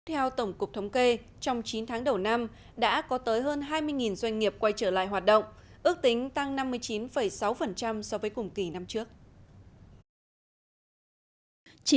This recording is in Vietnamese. theo tổng cục thống kê trong chín tháng đầu năm đã có tới hơn hai mươi doanh nghiệp quay trở lại hoạt động ước tính tăng năm mươi chín sáu so với cùng kỳ năm trước